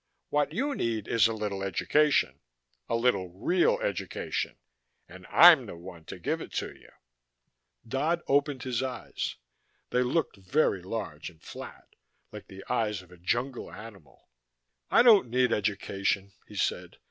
What you need is a little education a little real education and I'm the one to give it to you." Dodd opened his eyes. They looked very large and flat, like the eyes of a jungle animal. "I don't need education," he said.